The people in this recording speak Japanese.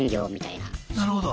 なるほど。